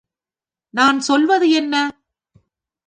நான் சொல்லுவது என்ன?